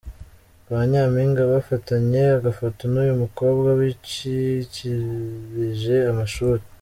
Ba Nyampinga bafatanye agafoto nuyu mukobwa wacikirije amashuri.